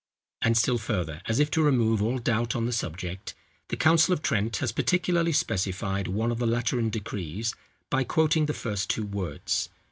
And still further, as if to remove all doubt on the subject, the council of Trent has particularly specified one of the Lateran decrees, by quoting the first two words.